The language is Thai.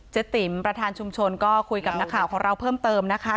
ติ๋มประธานชุมชนก็คุยกับนักข่าวของเราเพิ่มเติมนะคะ